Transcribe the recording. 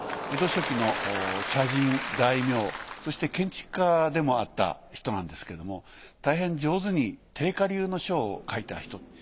江戸初期の茶人大名そして建築家でもあった人なんですけども大変上手に定家流の書を書いた人。